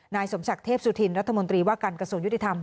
นายสมศักดิ์เทพสุธินรัฐมนตรีว่าการกระทรวงยุติธรรม